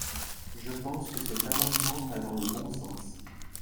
Je pense que cet amendement va dans le bon sens.